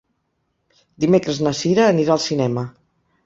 Dimecres na Cira anirà al cinema.